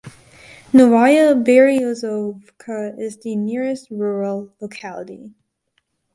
Novaya Beryozovka is the nearest rural locality.